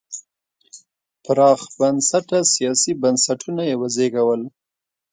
پراخ بنسټه سیاسي بنسټونه یې وزېږول.